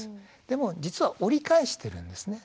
でも実は折り返してるんですね。